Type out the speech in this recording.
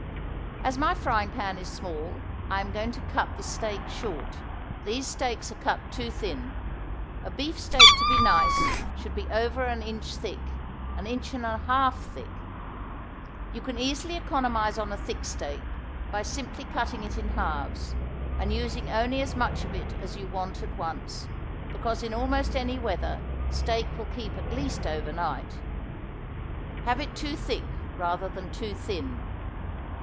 As my frying pan is small I am going to cut the steak short. These steaks are cut too thin. A beefsteak to be nice should be over an inch thick an inch and a half thick. You can easily economise on a thick steak by simply cutting it in halves, and using only as much of it as you want at once, because in almost any weather steak will keep at least over night. Have it too thick rather than too thin.